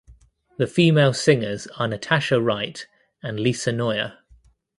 The female singers are Natascha Wright and Lisa Noya.